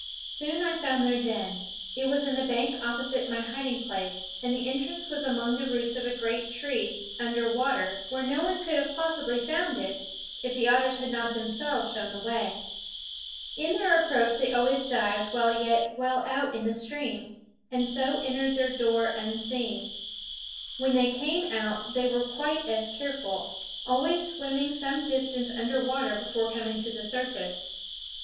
Soon I found their den. It was in a bank opposite my hiding place, and the entrance was among the roots of a great tree, under water, where no one could have possibly found it if the otters had not themselves shown the way. In their approach they always dived while yet well out in the stream, and so entered their door unseen. When they came out they were quite as careful, always swimming some distance under water before coming to the surface.